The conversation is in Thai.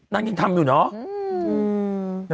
นางกินทำอยู่น่ะ